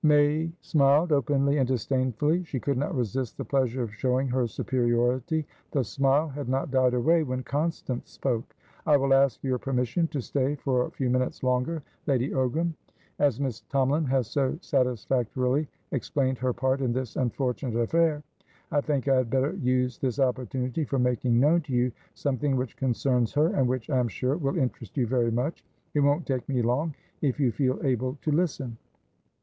May smiled, openly and disdainfully. She could not resist the pleasure of showing her superiority. The smile had not died away, when Constance spoke. "I will ask your permission to stay for a few minutes longer, Lady Ogram. As Miss Tomalin has so satisfactorily explained her part in this unfortunate affair, I think I had better use this opportunity for making known to you something which concerns her, and which, I am sure, will interest you very much. It won't take me longif you feel able to listen."